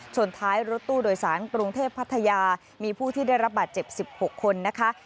ท้ายรถตู้โดยสารกรุงเทพพัทยามีผู้ที่ได้รับบาดเจ็บ๑๖คนนะคะ